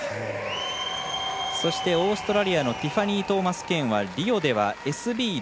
そして、オーストラリアのティファニー・トーマスケーンはリオではＳＢ６。